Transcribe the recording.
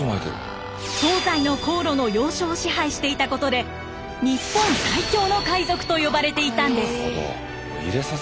東西の航路の要所を支配していたことで日本最強の海賊と呼ばれていたんです。